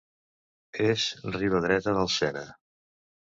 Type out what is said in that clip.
És Riba Dreta del Sena.